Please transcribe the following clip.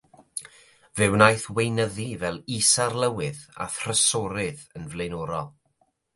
Fe wnaeth weinyddu fel Is-arlywydd a Thrysorydd yn flaenorol.